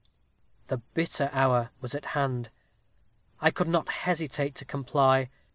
"The bitter hour was at hand. I could not hesitate to comply.